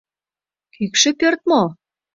Кӱкшӧ пӧрт мо?